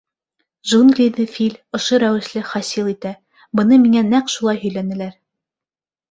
Джунглиҙы фил ошо рәүешле хасил итә, быны миңә нәҡ шулай һөйләнеләр.